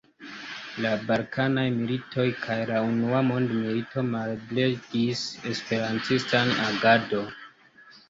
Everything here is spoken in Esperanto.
La balkanaj militoj kaj la Unua Mondmilito malebligis esperantistan agadon.